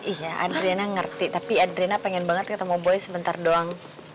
iya adriana ngerti tapi adrina pengen banget ketemu boy sebentar doang